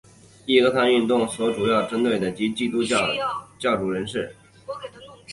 义和团运动所主要针对的即是基督宗教的宗教人士。